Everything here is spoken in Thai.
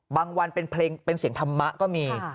วันเป็นเพลงเป็นเสียงธรรมะก็มี